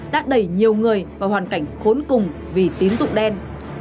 đã đẩy nhiều người vào hoàn cảnh khốn cùng vì tín dụng đen